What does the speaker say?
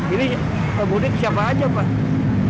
ini mudik siapa aja pak